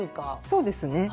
そうですねはい。